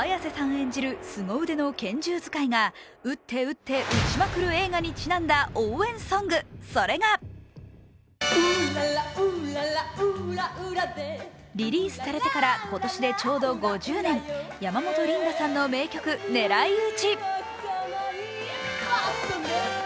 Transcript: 演じるすご腕の拳銃使いが撃って撃って撃ちまくる映画にちなんだ応援ソング、それがリリースされてから今年でちょうど５０年、山本リンダさんの名曲「狙いうち」。